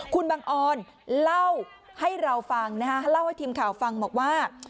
คุณบังออนเล่าให้เราฟังนะฮะเล่าให้ทีมข่าวฟังบอกว่า